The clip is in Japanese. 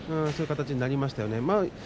そういう形になりましたよね。